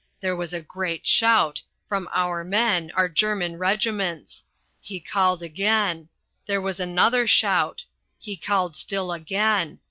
There was a great shout from our men, our German regiments. He called again. There was another shout. He called still again.